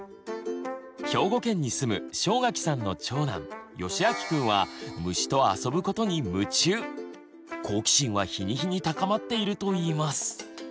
兵庫県に住む正垣さんの長男よしあきくんは好奇心は日に日に高まっているといいます。